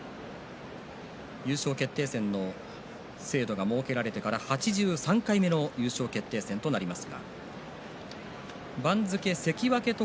優勝決定戦の制度が設けられてから８３回目の優勝決定戦です。